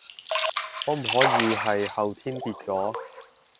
可唔可以係後天跌咗？